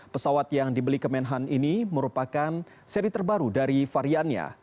pesawat yang dibeli ke menhan ini merupakan seri terbaru dari variannya